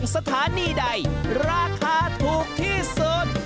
สถานีใดราคาถูกที่สุด